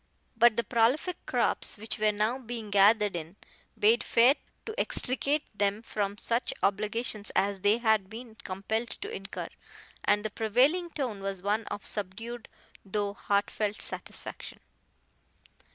But the prolific crops which were now being gathered in bade fair to extricate them from such obligations as they had been compelled to incur, and the prevailing tone was one of subdued though heartfelt satisfaction.